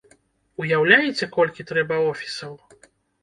Уяўляеце, колькі трэба офісаў?!